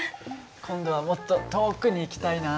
今度はもっと遠くに行きたいな。